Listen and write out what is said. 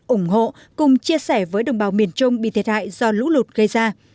ủng hộ cùng chia sẻ với đồng bào miền trung bị thiệt hại do lũ lụt gây ra